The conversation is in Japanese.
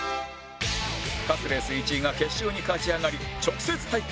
各レース１位が決勝に勝ち上がり直接対決